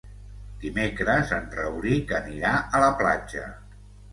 Dimecres en Rauric anirà a la platja.